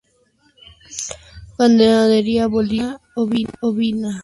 Ganadería bovina, ovina y porcina.